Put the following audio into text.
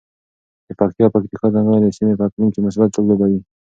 د پکتیا او پکتیکا ځنګلونه د سیمې په اقلیم کې مثبت رول لوبوي.